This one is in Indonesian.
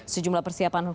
sejumlah persiapan khususnya